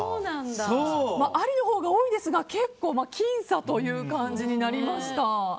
ありのほうが多いですが結構、僅差という感じになりました。